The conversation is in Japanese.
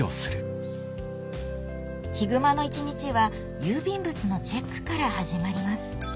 ヒグマの一日は郵便物のチェックから始まります。